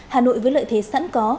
hà nội với lợi thế sẵn có